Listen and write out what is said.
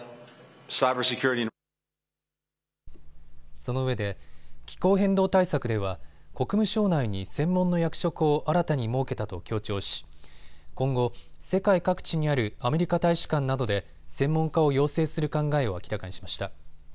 そのうえで気候変動対策では国務省内に専門の役職を新たに設けたと強調し今後、世界各地にあるアメリカ大使館などで専門家を養成する考えを明らかにしました。